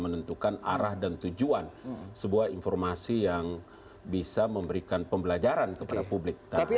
menentukan arah dan tujuan sebuah informasi yang bisa memberikan pembelajaran kepada publik